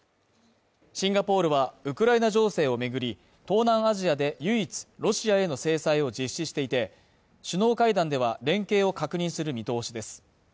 シンガポールは、ウクライナ情勢を巡り、東南アジアで唯一、ロシアへの制裁を実施していて、首脳会談では、連携を確認する見通しです。